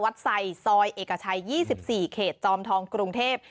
ไซซอยเอกชัย๒๔เขตจอมทองกรุงเทพ